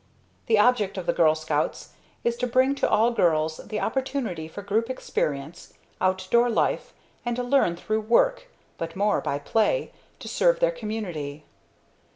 The object of the Girl Scouts is to bring to all girls the opportunity for group experience, outdoor life, and to learn through work, but more by play, to serve their community.